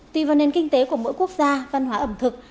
tùy vào nền kinh tế của mỗi quốc gia văn hóa ẩm thực